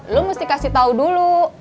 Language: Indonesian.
lo mesti kasih tau dulu